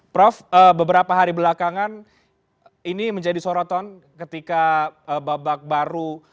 prof beberapa hari belakangan ini menjadi sorotan ketika babak baru